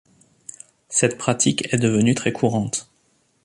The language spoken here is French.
Cette pratique est devenue très courante.